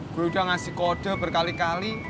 gue udah ngasih kode berkali kali